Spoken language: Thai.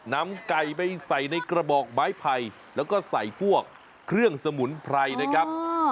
นำไก่ไปใส่ในกระบอกไม้ไผ่แล้วก็ใส่พวกเครื่องสมุนไพรนะครับ